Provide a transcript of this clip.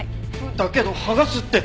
だけど剥がすって。